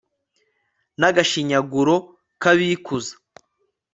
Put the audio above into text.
n'agashinyaguro k'abikuza